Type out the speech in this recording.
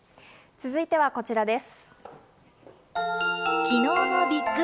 続いてはこちらです。